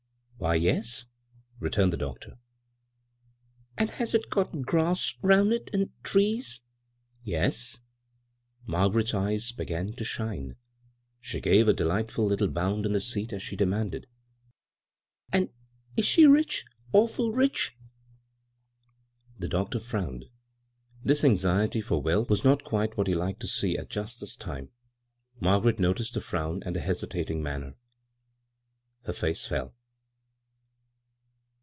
" Why — yes," returned the doctor. " And has it got grass 'round it, and trees?" "Yes." Margaret's eyes began to shine. She gave a delighted little bound on the seat as she demanded :" And is she rich ?— awful rich ?" The doctor frowned. This anxiety for wealth was not quite what he liked to see at just this time. Margaret noticed the frown and the hesitating manner. Her face fell.